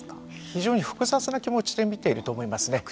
非常に複雑な気持ちでみていると思いますね。